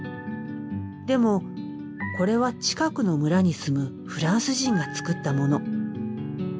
でもこれは近くの村に住むフランス人が作ったモノ。